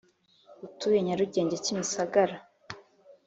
utuye Nyarugenge Kimisagara